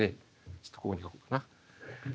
ちょっとここに書こうかな。